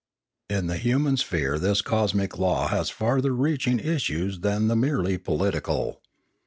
In the human sphere this cosmic law has farther reaching issues than the merely political.